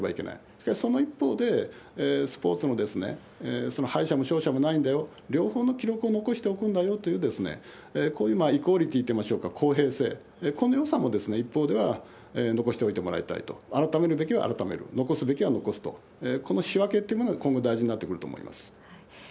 しかし、その一方で、スポーツの敗者も勝者もないんだよ、両方の記録を残しておくんだよという、こういうイコーリティといいましょうか、公平性、このよさも一方では残しておいてもらいたいと、改めるべきは改める、残すべきは残すと、この仕分けというものが今後、大事になってくると思います。